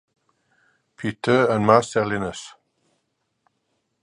Peter and Marcellinus.